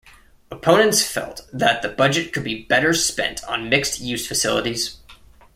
Opponents felt that the budget could be better spent on mixed-use facilities.